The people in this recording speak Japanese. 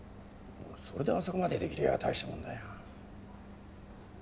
それであそこまでできりゃ大したもんだよ。